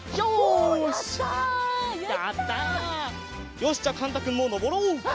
よしじゃあかんたくんものぼろう！